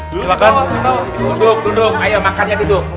duduk duduk ayo makannya duduk